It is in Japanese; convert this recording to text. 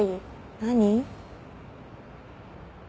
何？